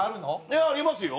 いやありますよ。